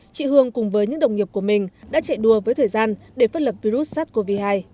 chị hương cùng với những đồng nghiệp của mình đã chạy đua với thời gian để phân lập virus sars cov hai